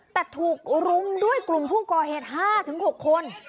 แต่ถูกรุ่งด้วยกลุ่มภูมิกอาร์แฮนด์๕๖คน